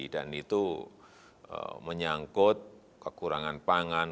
dan itu menyangkut kekurangan pangan